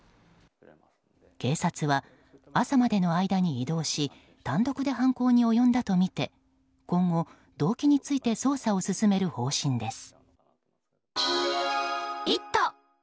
警察は、朝までの間に移動し単独で犯行に及んだとみて今後、動機について捜査を進める方針です。